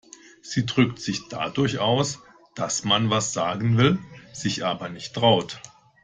Sie drückt sich dadurch aus, dass man etwas sagen will, sich aber nicht traut.